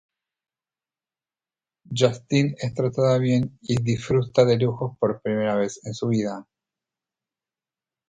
Justine es tratada bien y disfruta de lujos por primera vez en su vida.